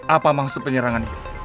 apa maksud penyerangan ini